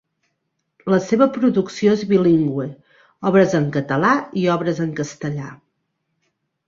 La seva producció és bilingüe, obres en català i obres en castellà.